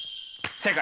正解。